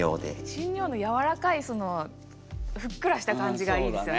しんにょうのやわらかいそのふっくらした感じがいいですよね。